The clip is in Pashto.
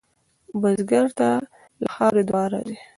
بزګر ته له خاورې دعا راځي